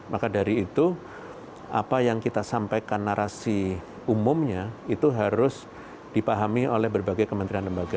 maka dari itu apa yang kita sampaikan narasi umumnya itu harus dipahami oleh berbagai kementerian lembaga